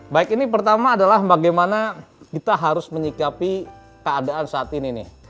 baik ini pertama adalah bagaimana kita harus menyikapi keadaan saat ini nih